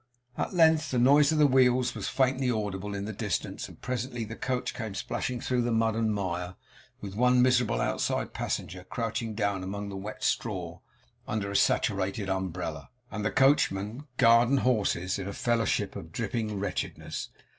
At length the noise of wheels was faintly audible in the distance and presently the coach came splashing through the mud and mire with one miserable outside passenger crouching down among wet straw, under a saturated umbrella; and the coachman, guard, and horses, in a fellowship of dripping wretchedness.